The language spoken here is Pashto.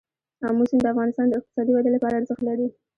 آمو سیند د افغانستان د اقتصادي ودې لپاره ارزښت لري.